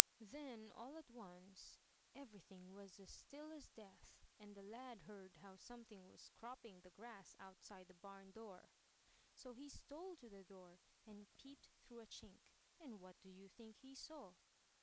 Then all at once everything was as still as death and the lad heard how something was cropping the grass outside the barn door, so he stole to the door, and peeped through a chink; and what do you think he saw?